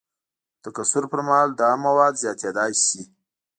د تکثر پر مهال دا مواد زیاتیدای شي.